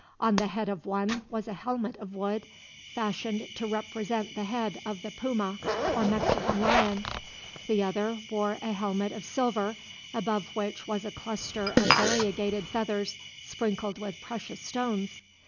On the head of one was a helmet of wood, fashioned to represent the head of the puma, or Mexican lion. The other wore a helmet of silver, above which was a cluster of variegated feathers, sprinkled with precious stones.